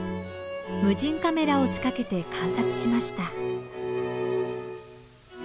無人カメラを仕掛けて観察しました。